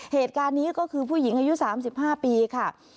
เหตุการณ์นี้ก็คือผู้หญิงอายุ๓๕ปีค่ะ